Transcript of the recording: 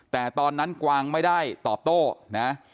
แต่ตอนนั้นกวางไม่ได้ตอบโต้นะ